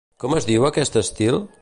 Com es diu aquest estil?